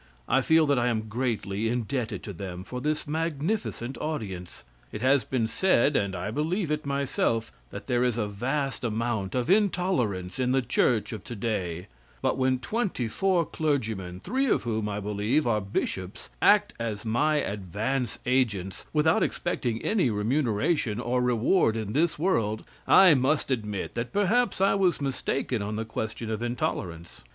I feel that I am greatly indebted to them for this magnificent audience. It has been said, and I believe it myself, that there is a vast amount of intolerance in the church of today, but when twenty four clergymen, three of whom, I believe, are bishops, act as my advance agents, without expecting any remuneration, or reward in this world, I must admit that perhaps I was mistaken on the question of intolerance.